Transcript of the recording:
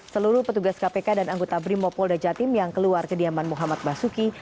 seluruh petugas kpk dan anggota brimopolda jatim yang keluar kediaman muhammad basuki